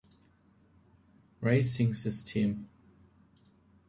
Racing System.